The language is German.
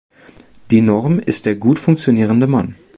Die Norm ist der gut funktionierende Mann.